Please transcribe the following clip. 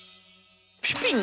ピピン